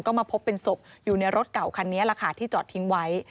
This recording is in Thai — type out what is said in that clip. ก็มาพบเป็นศพอยู่ในรถเก่าคันนี้แหละค่ะที่จอดทิ้งไว้